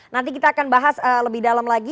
nanti kita akan bahas lebih dalam lagi